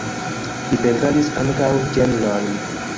Li pentradis ankaŭ ĝenrojn.